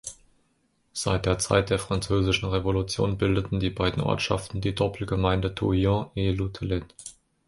Seit der Zeit der Französischen Revolution bildeten die beiden Ortschaften die Doppelgemeinde Touillon-et-Loutelet.